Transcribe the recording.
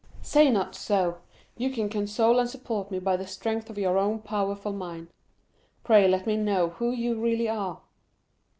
"Say not so; you can console and support me by the strength of your own powerful mind. Pray let me know who you really are?"